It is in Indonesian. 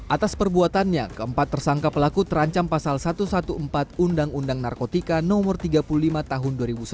atas perbuatannya keempat tersangka pelaku terancam pasal satu ratus empat belas undang undang narkotika no tiga puluh lima tahun dua ribu sebelas